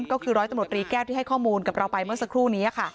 ก็คือร้อยตำรวจรีแก้วที่ให้ข้อมูลกับเราไปเมื่อสักครู่นี้ค่ะ